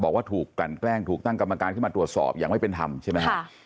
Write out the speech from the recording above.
บอกว่าถูกกลั่นแกล้งถูกตั้งกรรมการขึ้นมาตรวจสอบอย่างไม่เป็นธรรมใช่ไหมครับ